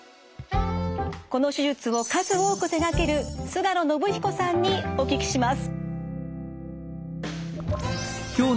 この手術を数多く手がける菅野伸彦さんにお聞きします。